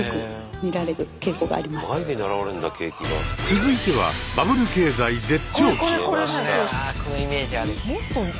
続いてはバブル経済絶頂期。